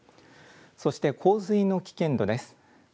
そして洪水の危険度です。